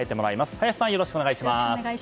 林さんよろしくお願いします。